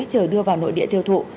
chờ đưa vào nội địa thiêu thụ